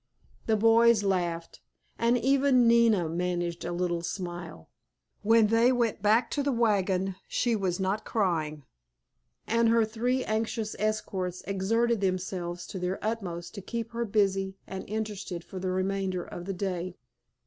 The boys laughed, and even Nina managed a little smile. When they went back to the wagon she was not crying, and her three anxious escorts exerted themselves to their utmost to keep her busy and interested for the remainder of the day.